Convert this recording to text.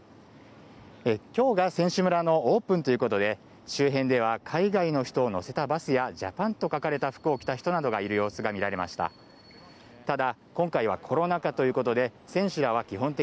今日が選手村のオープンということで周辺では海外の人を乗せたバスやジャパンと書かれた服を着た人などがいる様子が見られました。